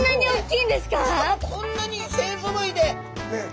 しかもこんなに勢ぞろいで。